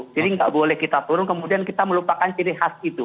jadi nggak boleh kita turun kemudian kita melupakan ciri khas